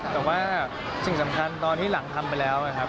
แต่ว่าสิ่งสำคัญตอนที่หลังทำไปแล้วนะครับ